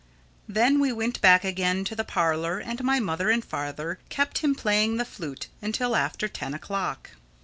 Then we went back again to the parlor and my mother and father kept him playing the flute till after ten o'clock.